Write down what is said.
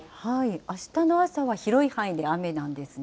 あしたの朝は広い範囲で雨なんですね。